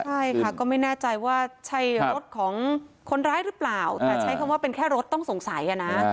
ใช่ค่ะก็ไม่แน่ใจว่าใช่รถของคนร้ายหรือเปล่าแต่ใช้คำว่าเป็นแค่รถต้องสงสัยอ่ะนะ